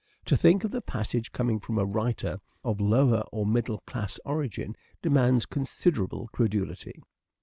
To think of the passage coming from a writer of lower or middle class origin demands considerable credulity.